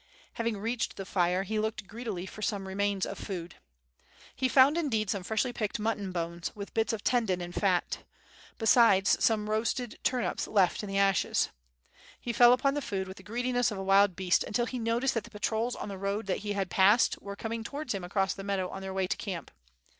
Having reached the fire he looked greedily for some remains of food. He found indeed some freshly picked mutton bones with bits of tendon and fat, besides some roasted turnips left in the ashes. He fell upon the food with the greediness of a wild beast until he noticed that the patrols on the road that he had passed were coming to^\"ards him across the meadow on their way to the camp.